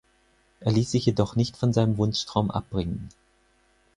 Er ließ sich jedoch nicht von seinem Wunschtraum abbringen.